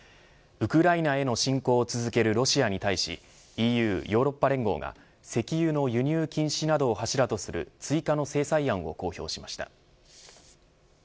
ウクライナへの侵攻を続けるロシアに対しＥＵヨーロッパ連合が石油の輸入禁止などを柱とする追加の制裁案を公表しました。